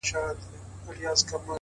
د زړه صفا اړیکې پیاوړې کوي؛